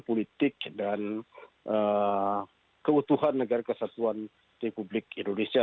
politik dan keutuhan negara kesatuan republik indonesia